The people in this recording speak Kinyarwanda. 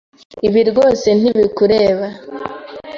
Ibi rwose ntibikureba.